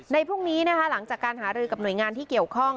พรุ่งนี้นะคะหลังจากการหารือกับหน่วยงานที่เกี่ยวข้อง